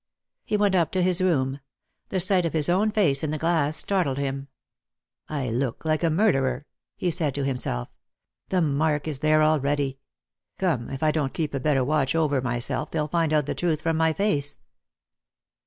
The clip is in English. He went up to his room. The sight of his own face in the glass startled him. " I look like a murderer," he said to himself. " The mark is there already. Come, if I don't keep a better watch over myself, they'll find out the truth from my face."